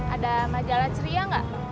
ada majalah ceria gak